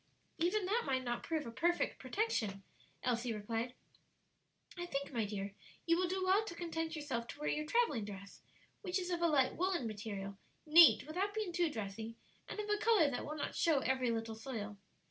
"Even that might not prove a perfect protection," Elsie replied. "I think, my dear, you will do well to content yourself to wear your travelling dress, which is of a light woollen material, neat without being too dressy, and of a color that will not show every little soil.